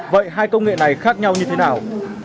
vậy hai công nghệ này khác nhau như thế nào